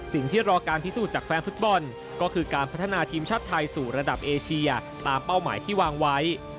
รอการพิสูจน์จากแฟนฟุตบอลก็คือการพัฒนาทีมชาติไทยสู่ระดับเอเชียตามเป้าหมายที่วางไว้